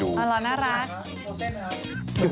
อ๋อเหรอน่ารัก